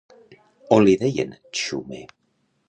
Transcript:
On li deien Txume?